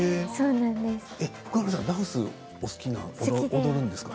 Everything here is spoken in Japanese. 福原さんダンスがお好きなんですか？